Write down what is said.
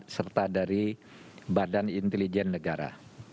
serta dari badan intelijen negara